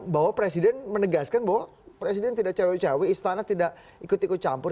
bahwa presiden menegaskan bahwa presiden tidak cewek cewek istana tidak ikut ikut campur